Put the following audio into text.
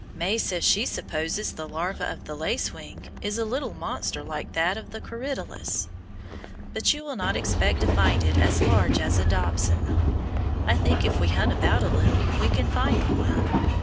May says she supposes the larva of the lacewing is a little monster like that of the corydalus. But you will not expect to find it as large as a dobson. I think if we hunt about a little, we can find one.